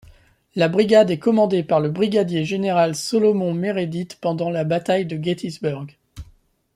La brigade est commandée par le brigadier-général Solomon Meredith pendant la bataille de Gettysburg.